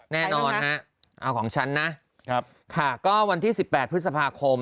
แน่นอนฮะเอาของฉันนะค่ะก็วันที่๑๘พฤษภาคม